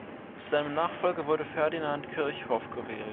Zu seinem Nachfolger wurde Ferdinand Kirchhof gewählt.